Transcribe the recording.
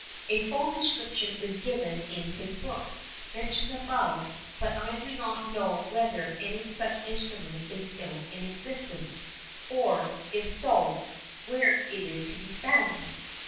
A full description is given in his book, mentioned above, but I do not know whether any such instrument is still in existence, or, if so, where it is to be found.